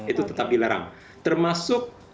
itu tetap dilarang termasuk